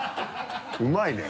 うまいね！